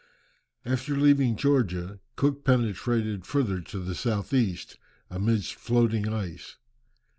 After leaving Georgia, Cook penetrated further to the south east, amidst floating ice.